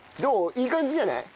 いい感じじゃない？